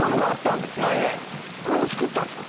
これも造ったんですか？